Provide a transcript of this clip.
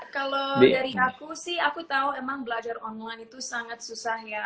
kalau dari aku sih aku tahu emang belajar online itu sangat susah ya